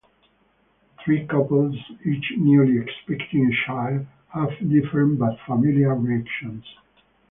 Three couples, each newly expecting a child, have different but familiar reactions.